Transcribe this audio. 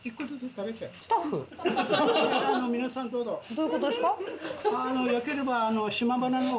どういうことですか？